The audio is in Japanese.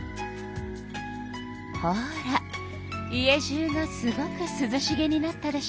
ほら家じゅうがすごくすずしげになったでしょ。